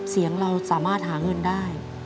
เสียงเราสามารถหาเงินได้